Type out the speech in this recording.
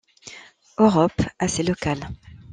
Europe, assez local.